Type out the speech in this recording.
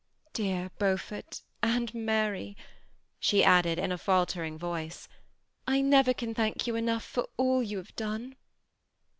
Dear Beau fort and Mary," she added, in a faltering voice, '^^ I never can thank you enough for all you have done."